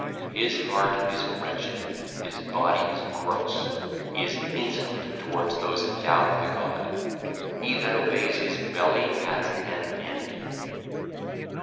His heart is wretched (?), his body is gross (?), he is insolent toward those endowed of the God. He that obeyeth his belly hath an enemy.